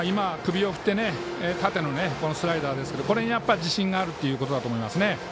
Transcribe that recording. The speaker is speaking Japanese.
縦のスライダーですけどこれに自信があるということだと思いますね。